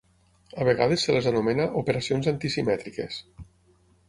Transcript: A vegades se les anomena operacions antisimètriques.